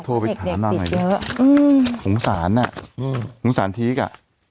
เด็กโทรไปถามมาให้ดิเด็กติดเยอะอืมขงสารอ่ะอืมขงสารทีกอ่ะอ๋อ